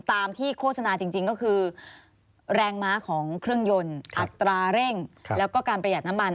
ตามที่โฆษณาจริงก็คือแรงม้าของเครื่องยนต์อัตราเร่งแล้วก็การประหยัดน้ำมัน